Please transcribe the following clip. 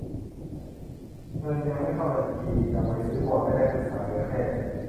เงินยังไม่เข้าบัญชี ยังไปซื้อวอนไม่ได้ อุตส่าห์เหลือแค่